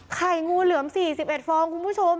ไข่งูเหลือมสี่สิบเอ็ดฟองคุณผู้ชม